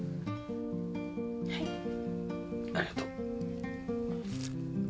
はい。ありがと。